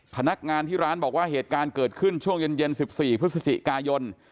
พนักงานที่ร้านบอกว่าเหตุการณ์เกิดขึ้นช่วงเย็น๑๔พฤศจิกายน